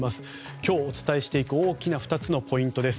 今日お伝えしていく大きな２つのポイントです。